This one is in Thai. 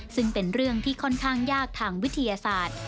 ซึ่งเป็นเรื่องที่ค่อนข้างยากทางวิทยาศาสตร์